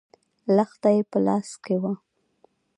لښته يې په لاس کې وه.